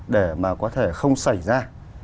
để mà có thể không xảy ra